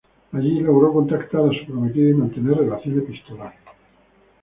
Allí logró contactar a su prometida y mantener relación epistolar.